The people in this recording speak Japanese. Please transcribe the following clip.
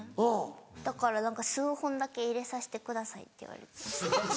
「だから数本だけ入れさせてください」って言われます。